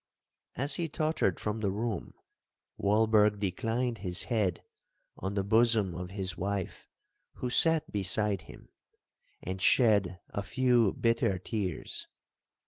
As he tottered from the room, Walberg declined his head on the bosom of his wife, who sat beside him, and shed a few bitter tears.